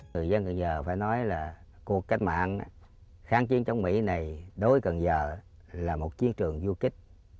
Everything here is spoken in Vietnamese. người dân cần giờ phải nói là cuộc cách mạng kháng chiến chống mỹ này đối với cần giờ là một chiến trường du kích